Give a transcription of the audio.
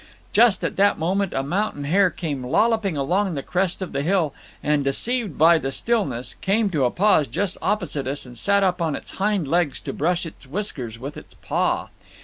Just at that moment a mountain hare came lolloping along the crest of the hill, and, deceived by the stillness, came to a pause just opposite us and sat up on its hind legs to brush its whiskers with its paw.